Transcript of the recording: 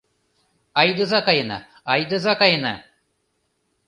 Айдыза каена, айдыза каена